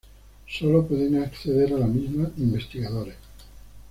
Solo pueden acceder a la misma investigadores.